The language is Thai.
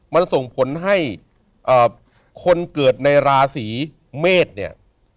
มันส่งผลให้คนเกิดในราศีเมษเนี่ย